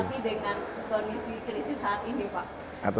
tapi dengan kondisi krisis saat ini pak